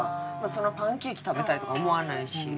そんなパンケーキ食べたいとか思わないし。